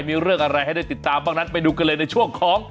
มีเรื่องอะไรให้ได้ติดตามบ้างนั้นไปดูกันเลยในช่วงของ